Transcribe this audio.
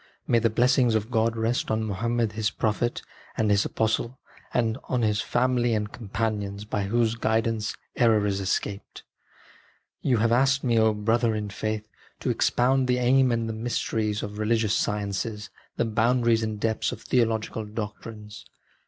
May the blessings of God rest on Muhammed His Prophet and His Apostle, on his family and companions, by whose guidance error is escaped ! You have asked me, O brother in the faith, to expound the aim and the mysteries of religious sciences, the boundaries and depths of theological doctrines.